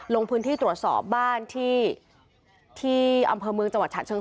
ลงพื้นที่ตรวจสอบบ้านที่อำเภอเมืองจังหวัดฉะเชิง